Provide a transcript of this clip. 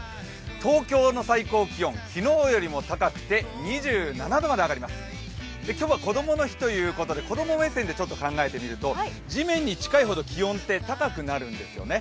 東京の最高気温、昨日よりも高くて２７度まで上がります、今日はこどもの日ということで子供目線でちょっと考えてみると、地面に近いほど気温って高くなるんですね。